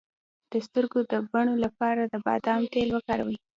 د سترګو د بڼو لپاره د بادام تېل وکاروئ